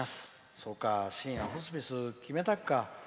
そうか、しんやホスピス決めたか。